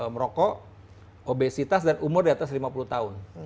merokok obesitas dan umur di atas lima puluh tahun